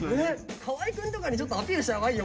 河合くんとかにちょっとアピールした方がいいよ